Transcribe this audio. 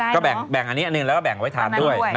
ก็แบ่งอันนี้อันหนึ่งแล้วก็แบ่งไว้ทานด้วย